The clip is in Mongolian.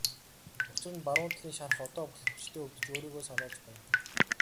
Учир нь баруун талын шарх одоо болтол хүчтэй өвдөж өөрийгөө сануулж байна.